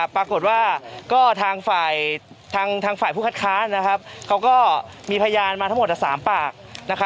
ปรากฎว่าทางฝ่ายผู้คัดคล้านนะครับเขาก็มีพยาบาลมาทั้งหมดตัว๓ปาก